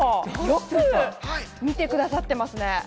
よく見てくださってますね。